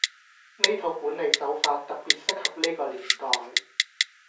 呢套管理手法特別適合呢個年代